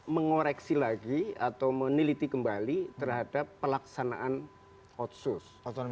mengoreksi lagi atau meneliti kembali terhadap pelaksanaan otsus